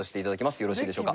よろしいでしょうか？